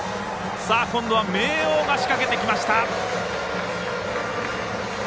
今度は明桜が仕掛けてきました。